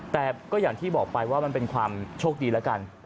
แต่ก็อย่างที่บอกไปว่ามันเป็นความโชคดีแล้วกัน